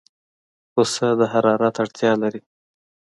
پسه د حرارت اړتیا لري.